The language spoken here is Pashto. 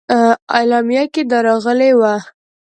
اعلامیه کې دا راغلي وه.